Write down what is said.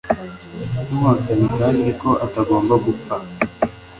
cy inkotanyi kandi ko agomba gupfa